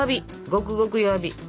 ごくごく弱火。